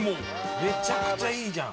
めちゃくちゃいいじゃん！